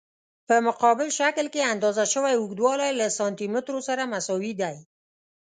په مقابل شکل کې اندازه شوی اوږدوالی له سانتي مترو سره مساوي دی.